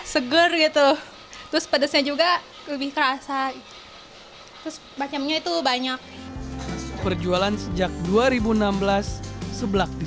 seger gitu terus pedasnya juga lebih kerasa terus macamnya itu banyak perjualan sejak dua ribu enam belas sebelah di